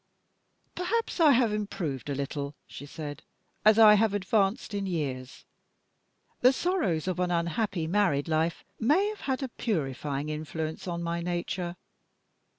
"Perhaps I have improved a little," she said, "as I have advanced in years. The sorrows of an unhappy married life may have had a purifying influence on my nature.